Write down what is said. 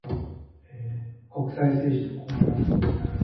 The university has a relatively equal mix of female and male students.